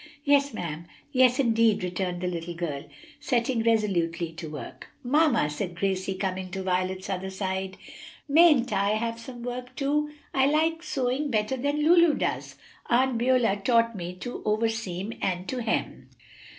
"Yes, ma'am, yes indeed!" returned the little girl, setting resolutely to work. "Mamma," said Gracie, coming to Violet's other side, "mayn't I have some work, too? I like sewing better than Lulu does. Aunt Beulah taught me to overseam and to hem."